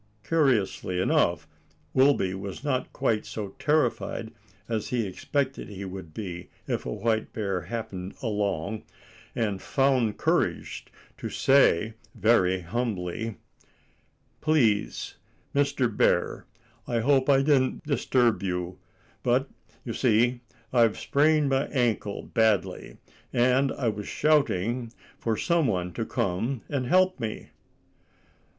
Curiously enough, Wilby was not quite so terrified as he expected he would be if a white bear happened along, and found courage to say very humbly,— "Please, Mr. Bear, I hope I didn't disturb you. But, you see, I've sprained my ankle badly, and I was shouting for some one to come and help me."